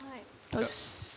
よし。